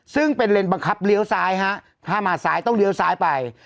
ซึ่งเป็นเลนบังคับเลี้ยวซ้ายฮะถ้ามาซ้ายต้องเลี้ยวซ้ายไป